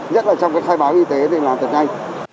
nhất là trong cái khai báo y tế thì làm thật nhanh